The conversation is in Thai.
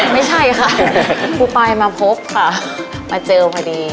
ไม่ใช่ค่ะครูปายมาพบค่ะมาเจอพอดี